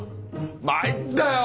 まいったよ。